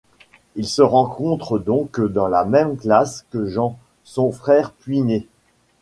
Il se retrouve donc dans la même classe que Jean, son frère puiné.